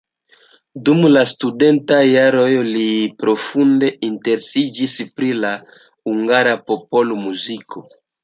Dum la studentaj jaroj li profunde interesiĝis pri la hungara popolmuziko.